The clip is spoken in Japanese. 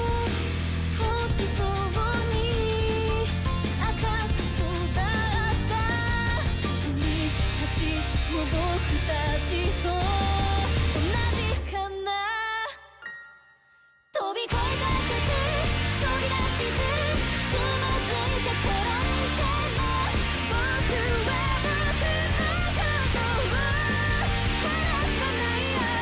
落ちそうに赤く育った君達も僕たちと同じかな飛び越えたくて飛び出して躓いて転んでも僕は僕のことを離さないよ